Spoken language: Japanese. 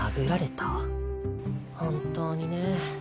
本当にね。